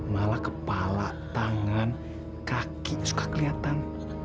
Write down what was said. malah kepala tangan kaki suka kelihatan